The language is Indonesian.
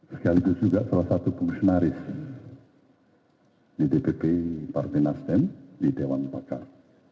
sekaligus juga salah satu fungsionaris di dpp partai nasdem di dewan pakar